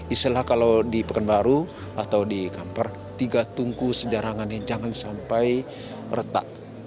istilah kalau di pekanbaru atau di kamper tiga tungku sejarangannya jangan sampai retak